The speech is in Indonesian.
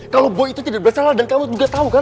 kalau boy itu tidak bersalah dan kamu juga tahu kan